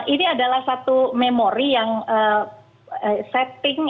ini adalah satu memori yang setting